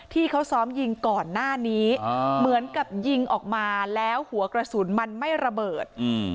ที่เขาซ้อมยิงก่อนหน้านี้เหมือนกับยิงออกมาแล้วหัวกระสุนมันไม่ระเบิด